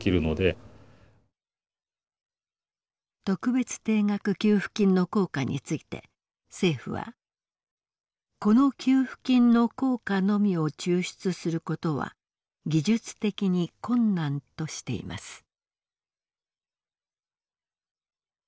特別定額給付金の効果について政府は「この給付金の効果のみを抽出することは技術的に困難」としています。